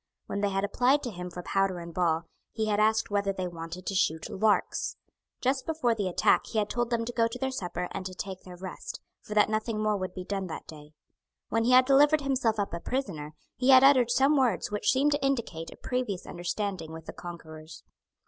When they had applied to him for powder and ball, he had asked whether they wanted to shoot larks. Just before the attack he had told them to go to their supper and to take their rest, for that nothing more would be done that day. When he had delivered himself up a prisoner, he had uttered some words which seemed to indicate a previous understanding with the conquerors.